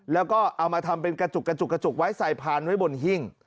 แล้วก็เอามาทำเป็นกระจุกไว้ใส่พานไว้บนหิ่ง